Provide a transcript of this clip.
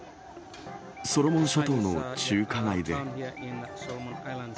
ソロモン諸島の中華街で。